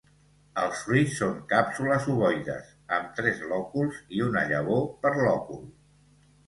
Els fruits són càpsules ovoides, amb tres lòculs i una llavor per lòcul.